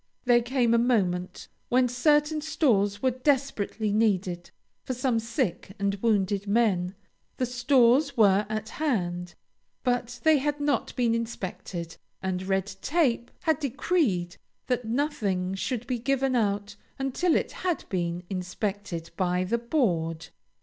There came a moment when certain stores were desperately needed for some sick and wounded men. The stores were at hand, but they had not been inspected, and Red Tape had decreed that nothing should be given out until it had been inspected by the board.